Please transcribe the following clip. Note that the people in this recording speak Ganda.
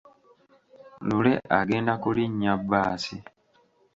Lule agenda kulinnya bbaasi.